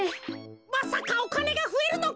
まさかおかねがふえるのか？